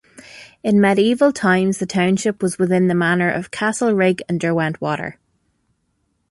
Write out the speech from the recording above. In medieval times the township was within the manor of Castlerigg and Derwentwater.